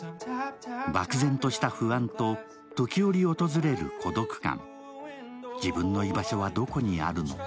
漠然とした不安と時折訪れる孤独感、自分の居場所はどこにあるのか。